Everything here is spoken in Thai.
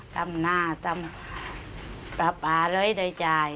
ทำหน้าทำปลาปลาเลยได้จ่าย